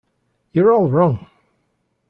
You're all wrong!